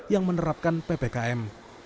yang menerapkan ppkm